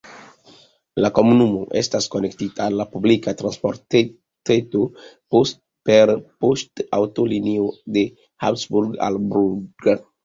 La komunumo estas konektita al la publika transportreto per poŝtaŭtolinio de Habsburgo al Brugg.